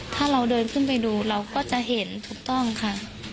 ถ้าเราเดินขึ้นไปดูเราก็จะเห็นถูกต้องค่ะ